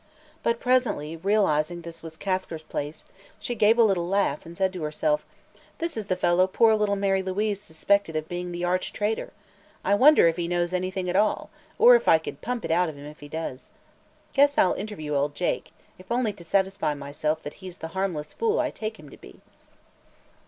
But presently, realizing this was Kasker's place, she gave a little laugh and said to herself: "This is the fellow poor little Mary Louise suspected of being the arch traitor. I wonder if he knows anything at all, or if I could pump it out of him if he does? Guess I'll interview old Jake, if only to satisfy myself that he's the harmless fool I take him to be."